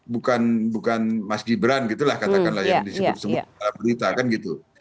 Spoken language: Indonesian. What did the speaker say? bukan mas gibran gitu lah katakanlah yang disebut sebut dalam berita kan gitu